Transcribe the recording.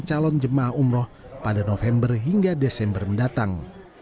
calon jemaah umroh pada november hingga desember mendatang